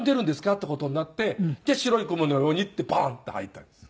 っていう事になって『白い雲のように』ってバーンって入ったんです。